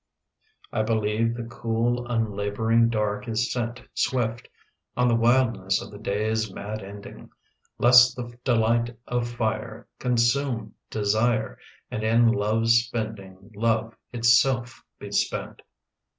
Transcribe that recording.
I believe the cool unlabouring dark is sent Swift on the wildness of the day's mad ending Lest the delight of fire Consume desire And in Love's spending Love itself be spent.